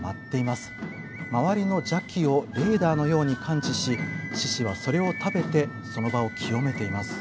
周りの邪気をレーダーのように感知し獅子はそれを食べてその場を清めています。